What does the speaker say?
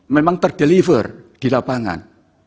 memang ter deliver di lapangan